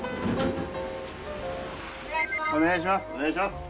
お願いします。